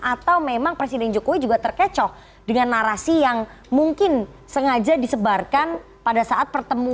atau memang presiden jokowi juga terkecoh dengan narasi yang mungkin sengaja disebarkan pada saat pertemuan